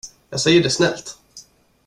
Jag säger det snällt.